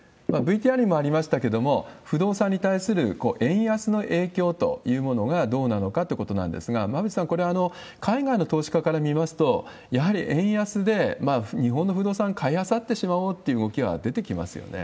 ＶＴＲにもありましたけれども、不動産に対する円安の影響というものがどうなのかということなんですが、馬渕さん、これ、海外の投資家から見ますと、やはり円安で日本の不動産、買いあさってしまおうという動きは出てきますよね。